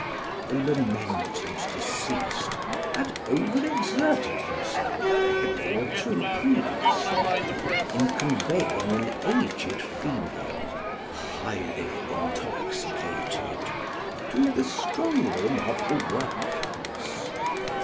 The lamented deceased had over exerted himself, a day or two previously, in conveying an aged female, highly intoxicated, to the strong room of the workhouse.